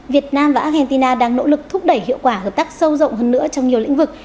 việt nam và argentina đang nỗ lực thúc đẩy hiệu quả hợp tác sâu rộng hơn nữa trong nhiều lĩnh vực